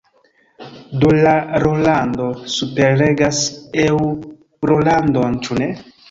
Dolarolando superregas eŭrolandon – ĉu ne?